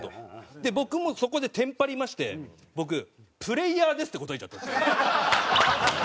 で僕もそこでテンパりまして僕「プレイヤーです」って答えちゃったんですよ。